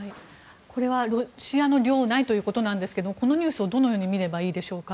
これはロシアの領内ということですがこのニュースをどのように見ればいいでしょうか。